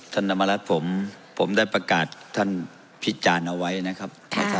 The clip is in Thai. นำมารัฐผมได้ประกาศท่านพิจารณ์เอาไว้นะครับ